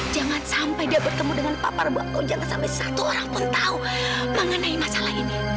jangan sampai dia bertemu dengan papar buat aku jangan sampai satu orang pun tahu mengenai masalah ini